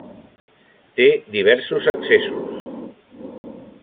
Té diversos accessos.